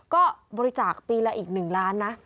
ก็บริจาคปีละอีก๑ล้านนะ